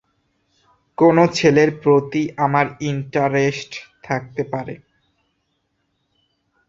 কোনো ছেলের প্রতি আমার ইন্টারেস্ট থাকতে পারে।